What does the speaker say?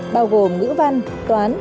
bao gồm ngữ văn toán